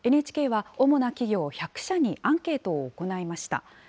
ＮＨＫは主な企業１００社にアンケートを行いました。